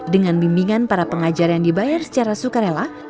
dengan bimbingan para pengajar yang dibayar secara sukarela